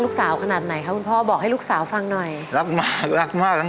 ลูกไม่เคยทำให้พ่อเสียใจครับประมาณนั้น